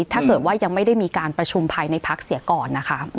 ถ้าเกิดว่ายังไม่ได้มีการประชุมภายในพักเสียก่อนนะคะ